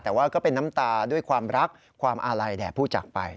แต่ว่าก็เป็นน้ำตาด้วยความรักความอาลัยแด่ผู้จากไป